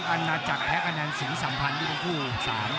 ของอันนาจักรและอันนานสิงสัมพันธ์ที่เป็นคู่สาม